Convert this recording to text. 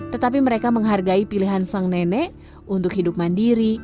tetapi mereka menghargai pilihan sang nenek untuk hidup mandiri